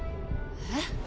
えっ？